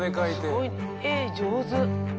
すごい絵上手。